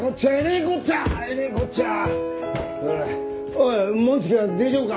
おい紋付きは大丈夫か？